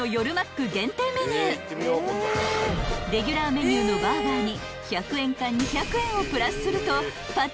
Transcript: ［レギュラーメニューのバーガーに］